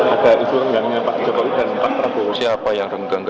ada isu renggangnya pak jokowi dan pak prabowo